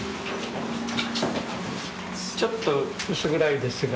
ちょっと薄暗いですが。